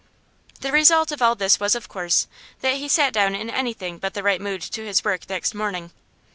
The result of all this was, of course, that he sat down in anything but the right mood to his work next morning.